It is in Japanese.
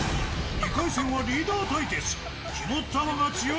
２回戦はリーダー対決。